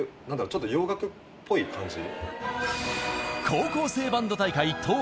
ちょっと洋楽っぽい感じ。